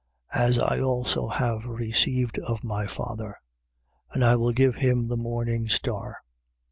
As I also have received of my Father. And I will give him the morning star.